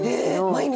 毎日？